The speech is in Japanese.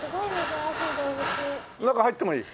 中入ってもいい？